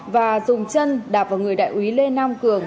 và dùng chân đạp vào người đại úy lê nam cường